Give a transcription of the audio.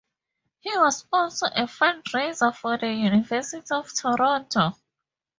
He was also a fundraiser for the University of Toronto.